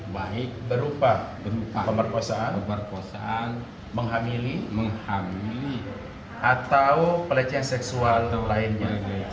baik berupa pemerkosaan menghamili menghamili atau pelecehan seksual lainnya